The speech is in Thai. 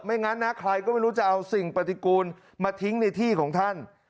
งั้นนะใครก็ไม่รู้จะเอาสิ่งปฏิกูลมาทิ้งในที่ของท่าน